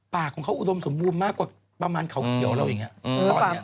ป่าของเขาอุดมสมบูรณ์มากกว่าประมาณเขาเขียวแล้วอย่างนี้